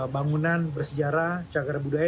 bangunan bersejarah cagar budaya